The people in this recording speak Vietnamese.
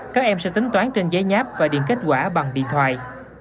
các em sẽ tính toán trên giấy nháp và điện kết quả bằng điện thoại